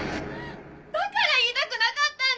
だから言いたくなかったんだよ